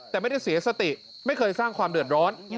แต่ไม่ได้เสียสติไม่เคยสร้างความเดือดร้อน